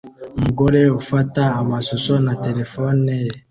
Umugore ufata amashusho na terefone ye